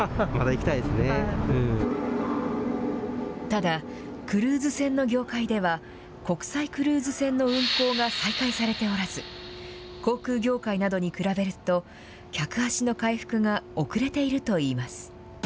ただ、クルーズ船の業界では、国際クルーズ船の運航が再開されておらず、航空業界などに比べると、客足の回復が遅れているといいます。